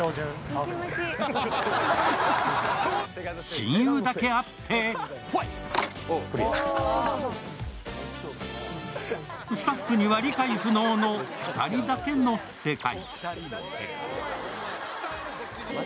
親友だけあってスタッフには理解不能の２人だけの世界。